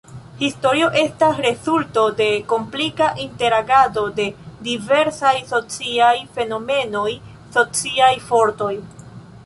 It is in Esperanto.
Historio estas rezulto de komplika interagado de diversaj sociaj fenomenoj, sociaj fortoj.